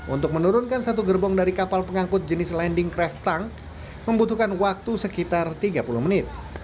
untuk menurunkan satu gerbong dari kapal pengangkut jenis landing craft tank membutuhkan waktu sekitar tiga puluh menit